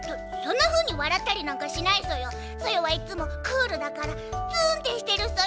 ソヨはいつもクールだからツーンってしてるソヨ！